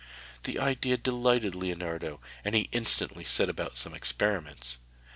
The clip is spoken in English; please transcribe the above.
The idea delighted Leonardo, and he instantly set about some experiments.